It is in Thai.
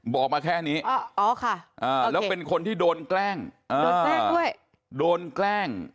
บอกมาแค่นี้แล้วเป็นคนที่โดนแกล้งโดนแกล้งด้วยโดนแกล้ง